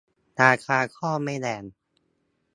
ราคาก็ไม่แรง